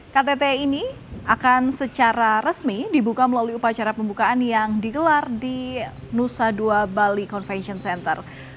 ktt ini akan secara resmi dibuka melalui upacara pembukaan yang digelar di nusa dua bali convention center